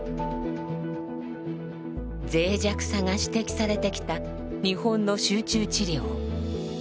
ぜい弱さが指摘されてきた日本の集中治療。